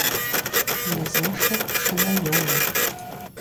Езэшыр пшынэ йоуэ.